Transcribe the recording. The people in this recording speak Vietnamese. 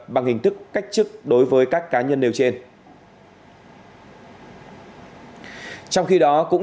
bằng hình thức cách chức đối với các cá nhân nêu trên